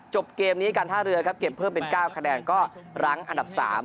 เกมนี้การท่าเรือครับเก็บเพิ่มเป็น๙คะแนนก็รั้งอันดับ๓